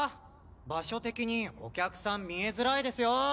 場所的にお客さん見えづらいですよ。